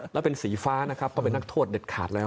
แล้วเป็นสีฟ้านะครับก็เป็นนักโทษเด็ดขาดแล้ว